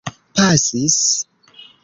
pasis